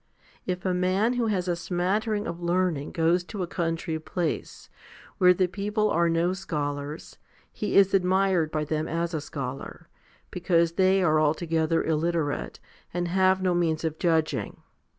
If a man who has a smattering of learning goes to a country place, where the people are no scholars, he is admired by them as a scholar, because they are altogether illiterate, and have no means of judging.